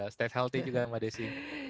step healthy juga mbak desi